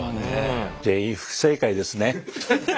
全員不正解ですね。